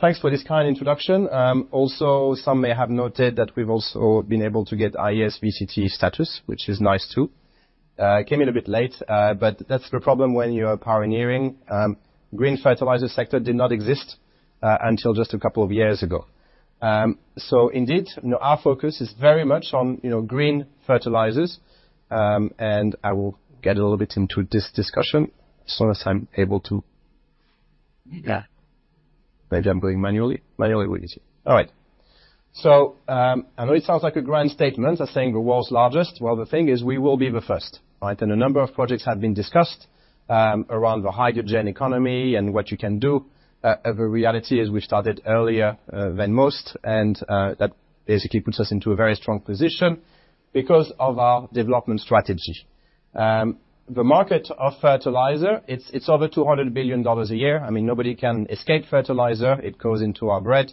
Thanks for this kind introduction. Also, some may have noted that we've also been able to get EIS/VCT status, which is nice, too. Came in a bit late, but that's the problem when you are pioneering. Green fertilizer sector did not exist until just a couple of years ago. Indeed, our focus is very much on green fertilizers. I will get a little bit into this discussion as soon as I'm able to. Yeah. Maybe I'm going manually. All right. I know it sounds like a grand statement saying the world's largest. Well, the thing is, we will be the first, right? A number of projects have been discussed around the hydrogen economy and what you can do. The reality is we started earlier than most, and that basically puts us into a very strong position because of our development strategy. The market of fertilizer, it's over $200 billion a year. Nobody can escape fertilizer. It goes into our bread.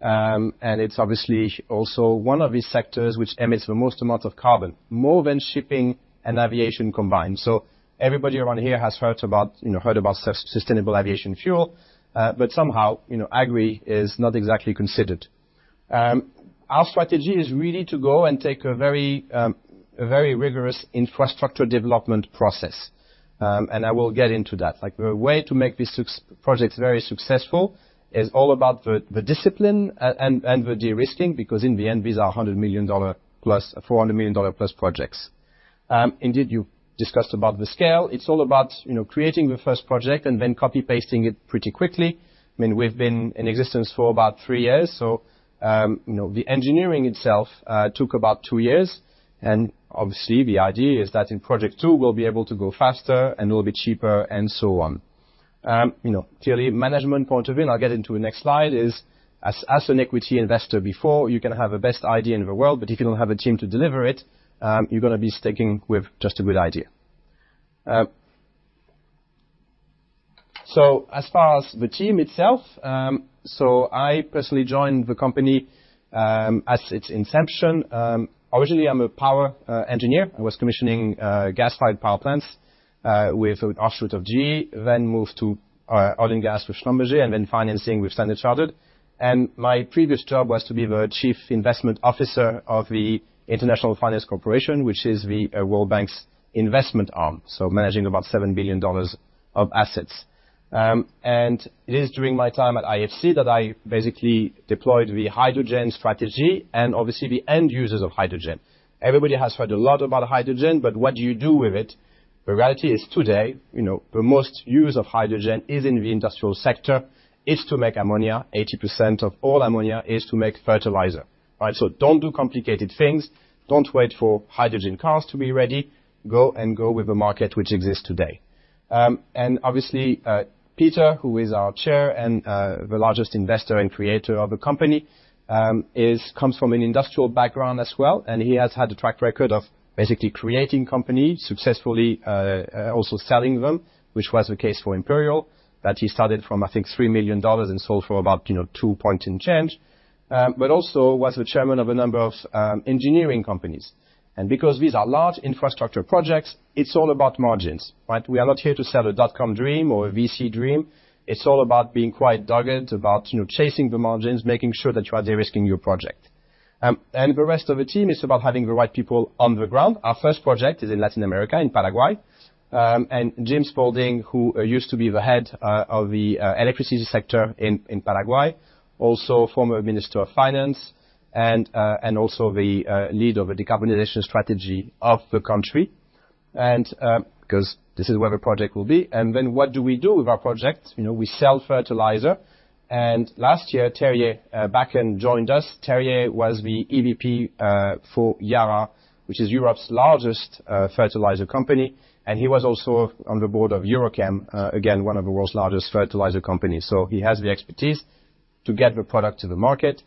It's obviously also one of these sectors which emits the most amount of carbon, more than shipping and aviation combined. Everybody around here has heard about sustainable aviation fuel. Somehow, agri is not exactly considered. Our strategy is really to go and take a very rigorous infrastructure development process, and I will get into that. The way to make these projects very successful is all about the discipline and the de-risking, because in the end, these are $100 million plus, $400 million plus projects. Indeed, you discussed about the scale. It's all about creating the first project and then copy-pasting it pretty quickly. We've been in existence for about three years. The engineering itself took about two years, and obviously the idea is that in project two we'll be able to go faster and a little bit cheaper and so on. Clearly, from a management point of view, and I'll get into the next slide, as an equity investor, you can have the best idea in the world, but if you don't have a team to deliver it, you're going to be sticking with just a good idea. As far as the team itself, so I personally joined the company at its inception. Originally, I'm a power engineer. I was commissioning gas-fired power plants with an offshoot of GE, then moved to oil and gas with Schlumberger, and then financing with Standard Chartered. My previous job was to be the Chief Investment Officer of the International Finance Corporation, which is the World Bank's investment arm. Managing about $7 billion of assets. It is during my time at IFC that I basically deployed the hydrogen strategy and obviously the end users of hydrogen. Everybody has heard a lot about hydrogen, but what do you do with it? The reality is today, the most use of hydrogen is in the industrial sector, is to make ammonia, 80% of all ammonia is to make fertilizer. Don't do complicated things. Don't wait for hydrogen cars to be ready. Go and go with the market which exists today. Obviously, Peter, who is our Chair and the largest investor and creator of the company, comes from an industrial background as well, and he has had a track record of basically creating companies successfully, also selling them, which was the case for Imperial, that he started from, I think, $3 million and sold for about two billion and change, but also was the chairman of a number of engineering companies. Because these are large infrastructure projects, it's all about margins, right? We are not here to sell a dotcom dream or a VC dream. It's all about being quite dogged about chasing the margins, making sure that you are de-risking your project. The rest of the team is about having the right people on the ground. Our first project is in Latin America, in Paraguay, and James Spalding, who used to be the head of the electricity sector in Paraguay, also former Minister of Finance, and also the lead of the decarbonization strategy of the country, because this is where the project will be. Then what do we do with our project? We sell fertilizer. Last year, Terje Bakken joined us. Terje was the EVP for Yara, which is Europe's largest fertilizer company, and he was also on the board of EuroChem, again, one of the world's largest fertilizer companies. He has the expertise to get the product to the market.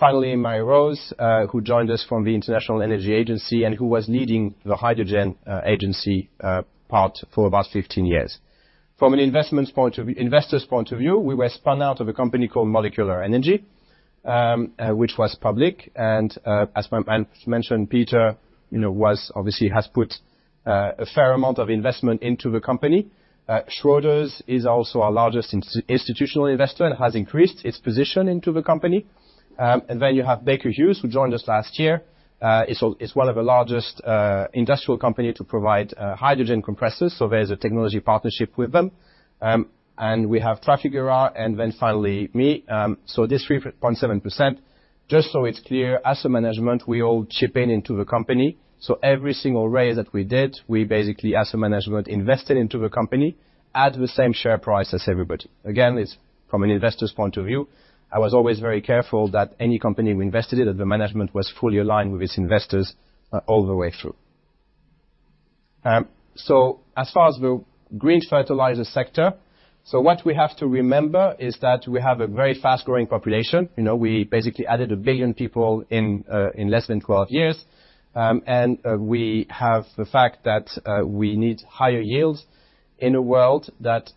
Finally, Mary-Rose de Valladares, who joined us from the International Energy Agency and who was leading the Hydrogen Agency part for about 15 years. From an investor's point of view, we were spun out of a company called Molecular Energies, which was public. As mentioned, Peter obviously has put a fair amount of investment into the company. Schroders is also our largest institutional investor and has increased its position into the company. You have Baker Hughes, who joined us last year, is one of the largest industrial company to provide hydrogen compressors. There's a technology partnership with them. We have Trafigura, and then finally me. This 3.7%, just so it's clear, as a management, we all chip in into the company. Every single raise that we did, we basically, as a management, invested into the company at the same share price as everybody. Again, from an investor's point of view, I was always very careful that any company we invested in, that the management was fully aligned with its investors all the way through. As far as the green fertilizer sector, so what we have to remember is that we have a very fast-growing population. We basically added 1 billion people in less than 12 years. We have the fact that we need higher yields in a world that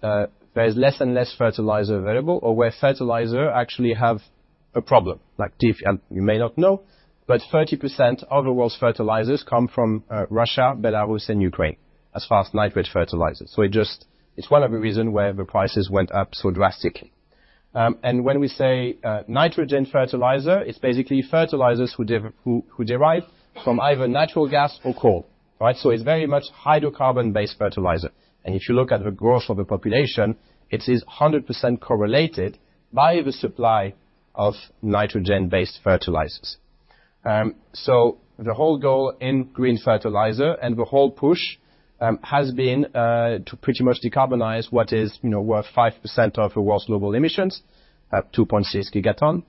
there is less and less fertilizer available, or where fertilizer actually have a problem, like you may not know, but 30% of the world's fertilizers come from Russia, Belarus, and Ukraine, as far as nitrate fertilizers. It's one of the reasons why the prices went up so drastically. When we say nitrogen fertilizer, it's basically fertilizers who derive from either natural gas or coal. It's very much hydrocarbon-based fertilizer. If you look at the growth of the population, it is 100% correlated by the supply of nitrogen-based fertilizers. The whole goal in green fertilizer, and the whole push has been to pretty much decarbonize what is worth 5% of the world's global emissions, 2.6 Gt.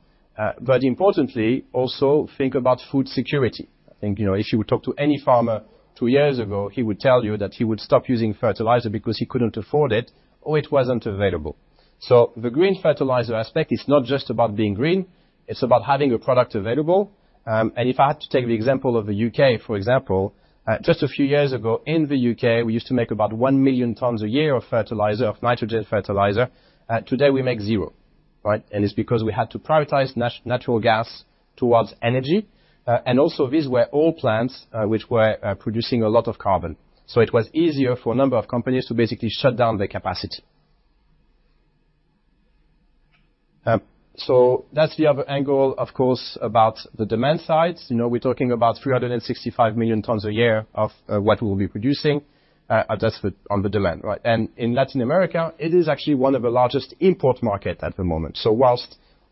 Importantly, also think about food security. I think, if you would talk to any farmer two years ago, he would tell you that he would stop using fertilizer because he couldn't afford it or it wasn't available. The green fertilizer aspect is not just about being green, it's about having a product available. If I had to take the example of the U.K., for example, just a few years ago in the U.K., we used to make about 1 million tons a year of nitrogen fertilizer. Today, we make zero. It's because we had to prioritize natural gas towards energy. Also these were oil plants, which were producing a lot of carbon. It was easier for a number of companies to basically shut down their capacity. That's the other angle, of course, about the demand side. We're talking about 365 million tons a year of what we'll be producing. That's on the demand. In Latin America, it is actually one of the largest import markets at the moment. While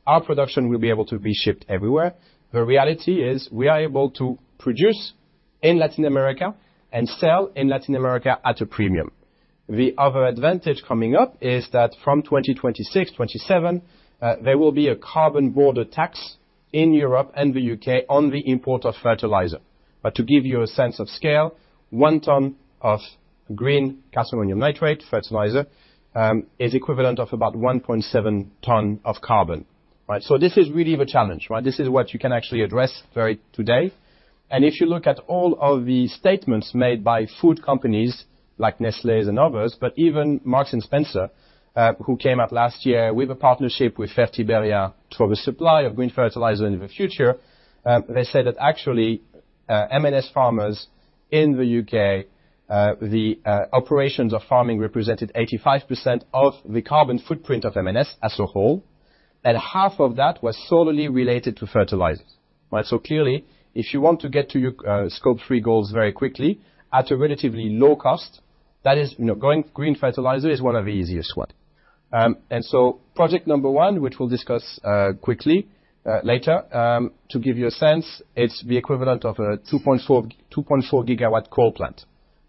our production will be able to be shipped everywhere, the reality is we are able to produce in Latin America and sell in Latin America at a premium. The other advantage coming up is that from 2026, 2027, there will be a carbon border tax in Europe and the U.K. on the import of fertilizer. To give you a sense of scale, one ton of green calcium nitrate fertilizer is equivalent of about 1.7 ton of carbon. This is really the challenge. This is what you can actually address it today. If you look at all of the statements made by food companies like Nestlé and others, but even Marks & Spencer, who came out last year with a partnership with Fertiberia for the supply of green fertilizer in the future. They said that actually, M&S farmers in the U.K., the operations of farming represented 85% of the carbon footprint of M&S as a whole, and half of that was solely related to fertilizers. Clearly, if you want to get to your Scope 3 goals very quickly at a relatively low cost, going green fertilizer is one of the easiest one. Project number one, which we'll discuss quickly later, to give you a sense, it's the equivalent of a 2.4 GW coal plant.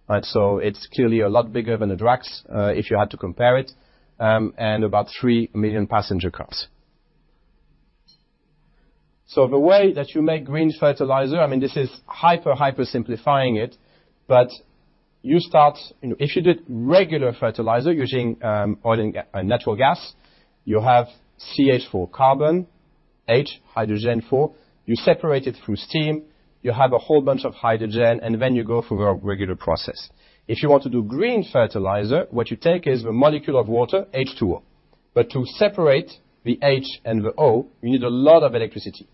It's clearly a lot bigger than the Drax, if you had to compare it, and about three million passenger cars. The way that you make green fertilizer, this is hyper simplifying it, but if you did regular fertilizer using oil and natural gas, you have CH4 carbon, H, hydrogen four, you separate it through steam, you have a whole bunch of hydrogen, and then you go through a regular process. If you want to do green fertilizer, what you take is the molecule of water, H2O. To separate the H and the O, you need a lot of electricity,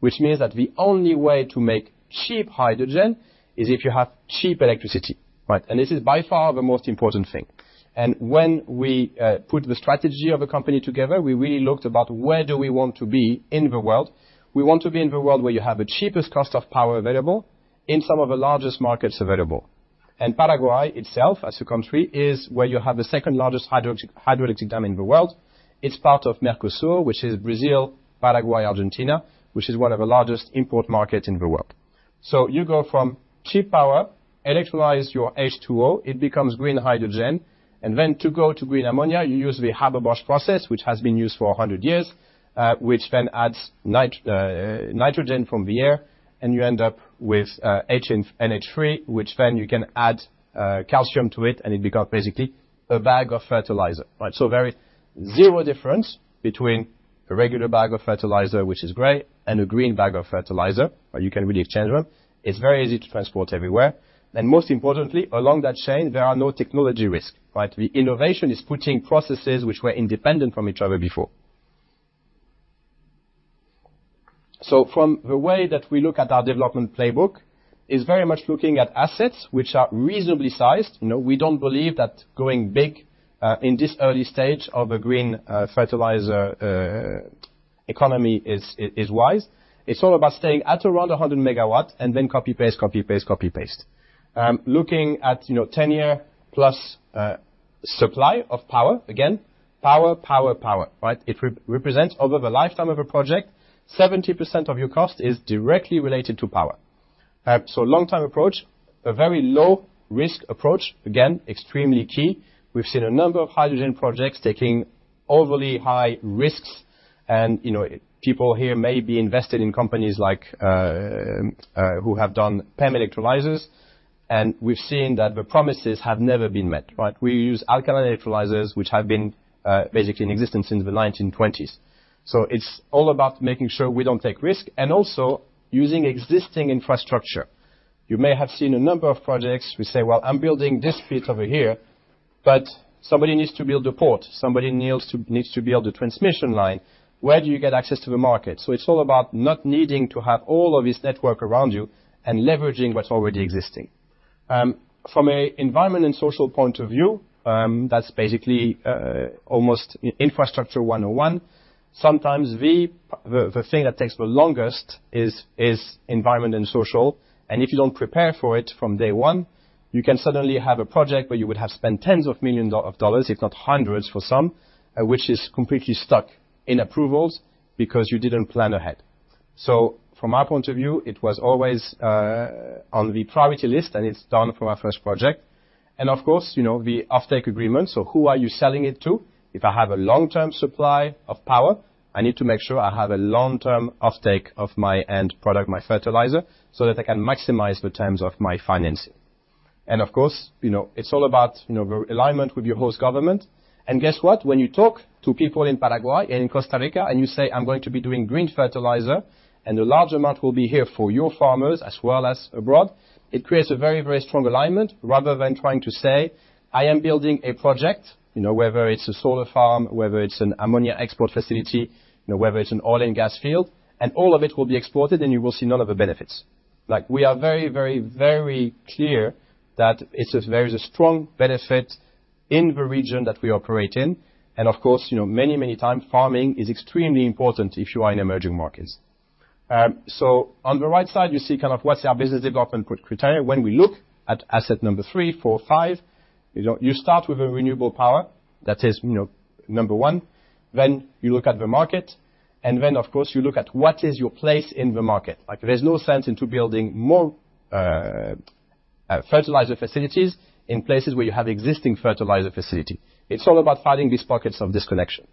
which means that the only way to make cheap hydrogen is if you have cheap electricity. This is by far the most important thing. When we put the strategy of the company together, we really looked about where do we want to be in the world. We want to be in the world where you have the cheapest cost of power available in some of the largest markets available. Paraguay itself, as a country, is where you have the second-largest hydroelectric dam in the world. It's part of Mercosur, which is Brazil, Paraguay, Argentina, which is one of the largest import markets in the world. You go from cheap power, electrolyze your H2O, it becomes green hydrogen, and then to go to green ammonia, you use the Haber-Bosch process, which has been used for 100 years, which then adds nitrogen from the air, and you end up with NH3, which then you can add calcium to it, and it becomes basically a bag of fertilizer. Zero difference between a regular bag of fertilizer, which is gray, and a green bag of fertilizer. You can really exchange them. It's very easy to transport everywhere. Most importantly, along that chain, there are no technology risks. The innovation is putting processes which were independent from each other before. From the way that we look at our development playbook, is very much looking at assets which are reasonably sized. We don't believe that going big in this early stage of a green fertilizer economy is wise. It's all about staying at around 100 MW and then copy-paste. Looking at 10-year+ supply of power. Again, power. It represents over the lifetime of a project, 70% of your cost is directly related to power. Long-term approach, a very low-risk approach, again, extremely key. We've seen a number of hydrogen projects taking overly high risks, and people here may be invested in companies who have done PEM electrolyzers. We've seen that the promises have never been met. We use alkaline electrolyzers, which have been basically in existence since the 1920s. It's all about making sure we don't take risk, and also using existing infrastructure. You may have seen a number of projects, we say, well, I'm building this bit over here, but somebody needs to build the port, somebody needs to build the transmission line. Where do you get access to the market? It's all about not needing to have all of this network around you and leveraging what's already existing. From an environmental and social point of view, that's basically almost infrastructure 101. Sometimes, the thing that takes the longest is environmental and social, and if you don't prepare for it from day one, you can suddenly have a project where you would have spent $10s of millions of dollars, if not hundreds for some, which is completely stuck in approvals because you didn't plan ahead. From our point of view, it was always on the priority list, and it's done for our first project. Of course, the offtake agreement. Who are you selling it to? If I have a long-term supply of power, I need to make sure I have a long-term offtake of my end product, my fertilizer, so that I can maximize the terms of my financing. Of course, it's all about the alignment with your host government. Guess what? When you talk to people in Paraguay and Costa Rica and you say, "I'm going to be doing green fertilizer, and a large amount will be here for your farmers as well as abroad," it creates a very strong alignment rather than trying to say, "I am building a project," whether it's a solar farm, whether it's an ammonia export facility, whether it's an oil and gas field, "and all of it will be exported, and you will see none of the benefits." We are very clear that there is a strong benefit in the region that we operate in, and of course, many times, farming is extremely important if you are in emerging markets. On the right side, you see what's our business development criteria. When we look at asset number three, four, five, you start with a renewable power. That is number one. You look at the market, and then, of course, you look at what is your place in the market. There's no sense in building more fertilizer facilities in places where you have existing fertilizer facility. It's all about finding these pockets of disconnection.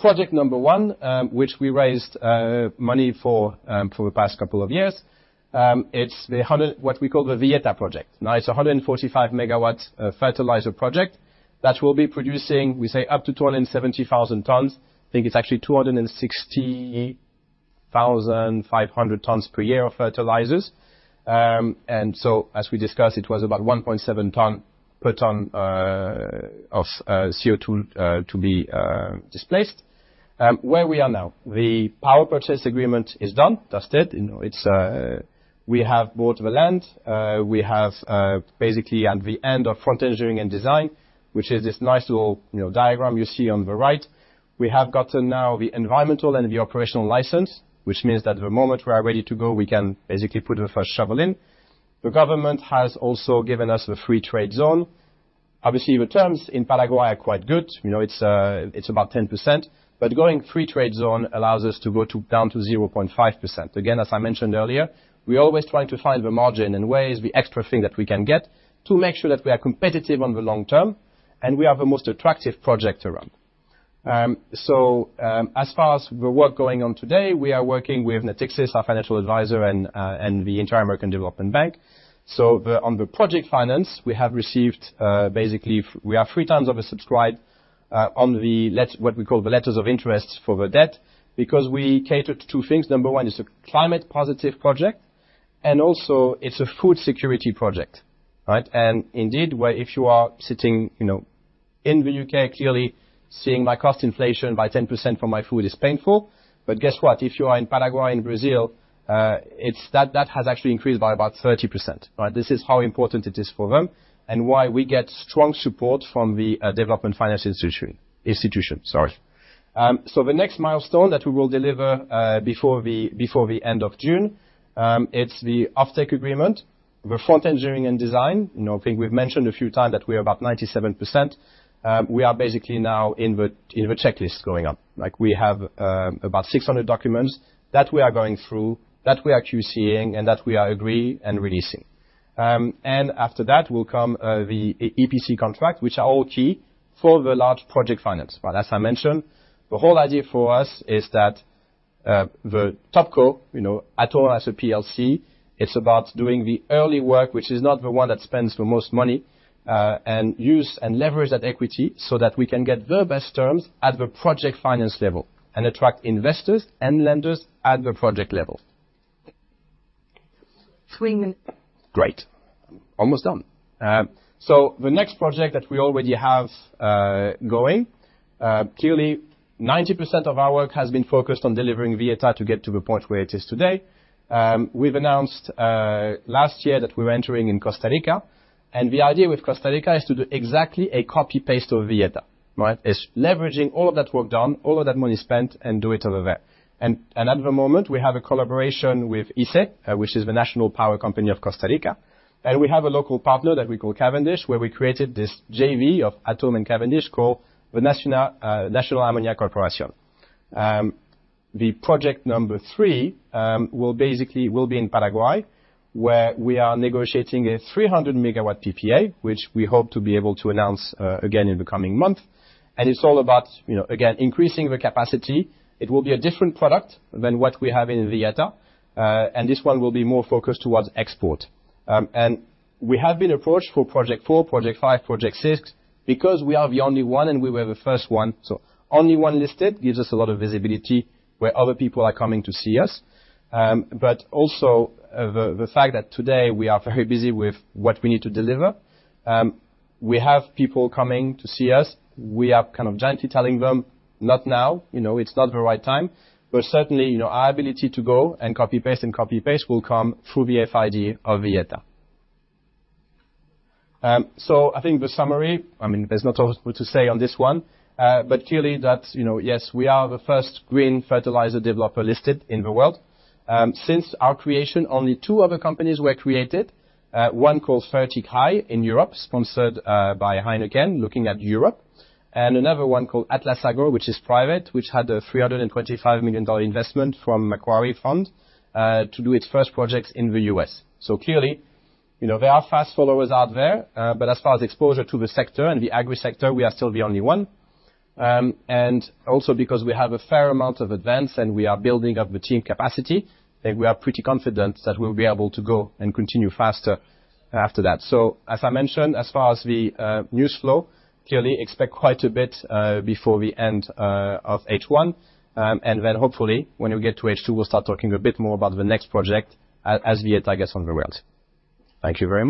Project number one, which we raised money for the past couple of years, it's what we call the Villeta Project. Now it's 145 MW fertilizer project that will be producing, we say, up to 270,000 tons. I think it's actually 260,500 tons per year of fertilizers. As we discussed, it was about 1.7 ton per ton of CO2 to be displaced. Where we are now? The power purchase agreement is done and dusted. We have bought the land. We have, basically, at the end of Front-End Engineering and Design, which is this nice little diagram you see on the right. We have gotten now the environmental and the operational license, which means that the moment we are ready to go, we can basically put the first shovel in. The government has also given us the free-trade zone. Obviously, the terms in Paraguay are quite good. It's about 10%, but going free-trade zone allows us to go down to 0.5%. Again, as I mentioned earlier, we're always trying to find the margin and ways, the extra thing that we can get, to make sure that we are competitive on the long term and we are the most attractive project around. As far as the work going on today, we are working with Natixis, our financial advisor, and the Inter-American Development Bank. On the project finance, we have received, basically, we are three times oversubscribed on what we call the letters of interest for the debt, because we cater to two things. Number one, it's a climate positive project, and also it's a food security project, right? Indeed, where if you are sitting in the U.K., clearly, seeing my cost inflation by 10% for my food is painful. Guess what? If you are in Paraguay and Brazil, that has actually increased by about 30%. This is how important it is for them and why we get strong support from the development finance institution. The next milestone that we will deliver before the end of June, it's the offtake agreement, the front-end engineering and design. I think we've mentioned a few times that we're about 97%. We are basically now in the checklist going up. We have about 600 documents that we are going through, that we are QC-ing, and that we are agreeing and releasing. After that will come the EPC contract, which are all key for the large project finance. As I mentioned, the whole idea for us is that the top co, Atome as a PLC, it's about doing the early work, which is not the one that spends the most money, and use and leverage that equity so that we can get the best terms at the project finance level and attract investors and lenders at the project level. Three minutes. Great. Almost done. The next project that we already have going, clearly, 90% of our work has been focused on delivering Villeta to get to the point where it is today. We've announced last year that we're entering in Costa Rica, and the idea with Costa Rica is to do exactly a copy-paste of Villeta. It's leveraging all of that work done, all of that money spent, and do it over there. At the moment, we have a collaboration with ICE, which is the national power company of Costa Rica, and we have a local partner that we call Cavendish, where we created this JV of Atome and Cavendish called the National Ammonia Corporation. The project number three basically will be in Paraguay, where we are negotiating a 300 MW PPA, which we hope to be able to announce again in the coming month. It's all about, again, increasing the capacity. It will be a different product than what we have in Villeta. This one will be more focused towards export. We have been approached for project four, project five, project six, because we are the only one, and we were the first one. Only one listed gives us a lot of visibility where other people are coming to see us. Also, the fact that today we are very busy with what we need to deliver, we have people coming to see us. We are gently telling them, "Not now, it's not the right time." Certainly, our ability to go and copy-paste and copy-paste will come through the FID of Villeta. I think the summary, there's not a lot more to say on this one. Clearly that, yes, we are the first green fertilizer developer listed in the world. Since our creation, only two other companies were created. One called FertigHy in Europe, sponsored by HEINEKEN, looking at Europe, and another one called Atlas Agro, which is private, which had a $325 million investment from Macquarie Fund to do its first projects in the U.S. Clearly, there are fast followers out there, but as far as exposure to the sector and the agri sector, we are still the only one. Also because we have a fair amount of advance and we are building up the team capacity, we are pretty confident that we'll be able to go and continue faster after that. As I mentioned, as far as the news flow, clearly expect quite a bit before the end of H1. Then hopefully when we get to H2, we'll start talking a bit more about the next project as Villeta gets on the world. Thank you very much.